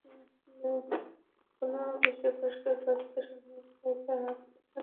স্কুলে কোনো বিষয়ে পুরস্কার পাচ্ছে শুনলেই ভয়ে তার হাত-পা ঠান্ডা হয়ে আসত।